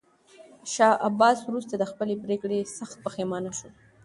شاه عباس وروسته له خپلې پرېکړې سخت پښېمانه شو.